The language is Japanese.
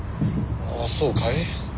あそうかい。